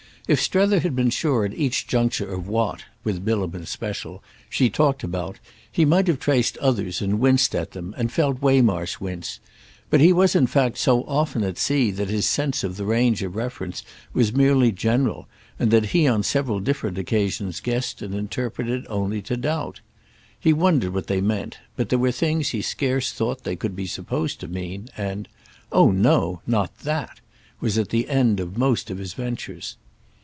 If Strether had been sure at each juncture of what—with Bilham in especial—she talked about, he might have traced others and winced at them and felt Waymarsh wince; but he was in fact so often at sea that his sense of the range of reference was merely general and that he on several different occasions guessed and interpreted only to doubt. He wondered what they meant, but there were things he scarce thought they could be supposed to mean, and "Oh no—not that!" was at the end of most of his ventures.